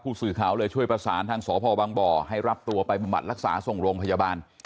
สื่อข่าวเลยช่วยประสานทางสพบังบ่อให้รับตัวไปบำบัดรักษาส่งโรงพยาบาล